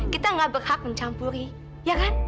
kita gak berhak mencampuri ya kan